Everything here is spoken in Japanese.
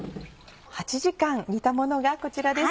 ８時間煮たものがこちらです。